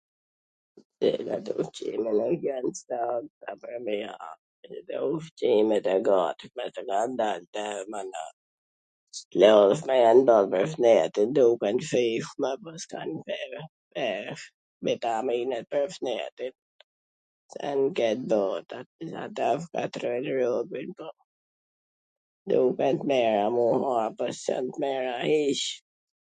... edhe ushqimet e gatshme qw kan dal tash, mana, t lodhshme jan bo pwr shnetin, duken t shiijshme por s kan vler, vitamine pwr shnetin, ...ngatrrojn robin, duken t mira m u marr po sjan t mira hiC,